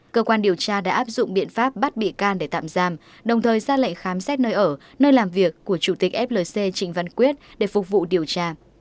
cơ quan điều tra đã áp dụng biện pháp bắt bị can để tạm giam đồng thời ra lệnh khám xét nơi ở nơi làm việc của chủ tịch flc trình văn quyết để phục vụ điều tra